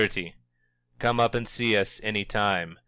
"_Come up and see us any time.